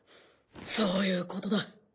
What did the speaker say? そういうことだ。